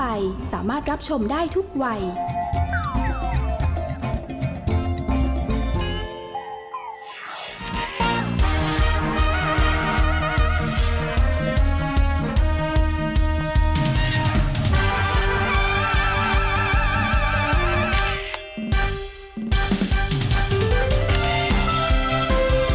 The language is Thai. เมฆบ้านประจันบาน